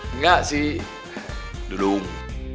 enggak sih dudung